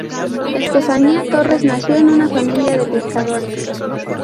Estefanía Torres nació en una familia de pescadores.